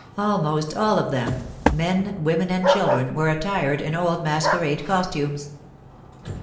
Almost all of them, men, women, and children, were attired in old masquerade costumes.